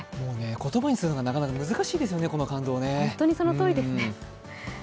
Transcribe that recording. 言葉にするのはなかなか難しいですね、この感動ね。